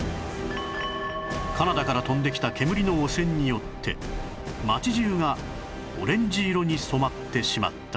カナダから飛んできた煙の汚染によって街中がオレンジ色に染まってしまった